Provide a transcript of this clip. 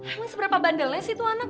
emang seberapa bandelnya sih itu anak